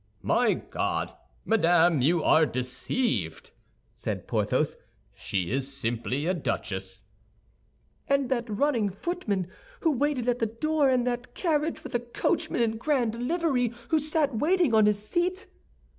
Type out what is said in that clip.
"My God! Madame, you are deceived," said Porthos; "she is simply a duchess." "And that running footman who waited at the door, and that carriage with a coachman in grand livery who sat waiting on his seat?"